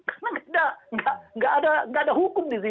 karena nggak ada hukum